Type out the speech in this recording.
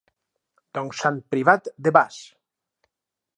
Doncs Sant Privat de Bas»...